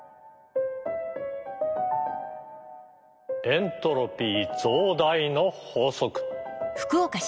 エントロピー増大の法則。